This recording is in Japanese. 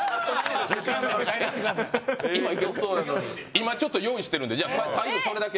今、用意してるんで最後それだけ。